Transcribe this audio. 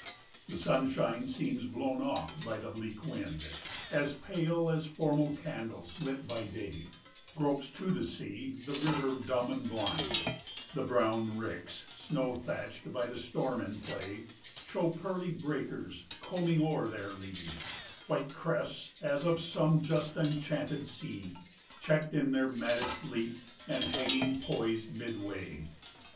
The sunshine seems blown off by the bleak wind, As pale as formal candles lit by day; Gropes to the sea the river dumb and blind; The brown ricks, snow thatched by the storm in play, Show pearly breakers combing o'er their lee, 180 White crests as of some just enchanted sea, Checked in their maddest leap and hanging poised midway.